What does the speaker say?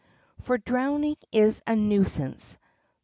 For drowning is a nuisance.